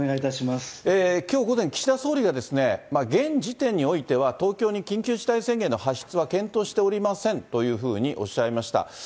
きょう午前、岸田総理が現時点においては、東京に緊急事態宣言の発出は検討しておりませんというふうにおっしゃいました。